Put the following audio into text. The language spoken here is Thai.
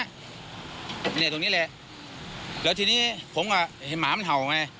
เนี่ยตรงนี้แหละแล้วทีนี้ผมก็เห็นหมามันเห่าไง